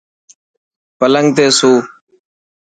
پلنگ تي سو.